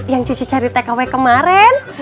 yang cucu cari tkw kemaren